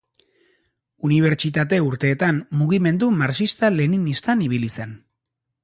Unibertsitate urteetan mugimendu marxista-leninistan ibili zen.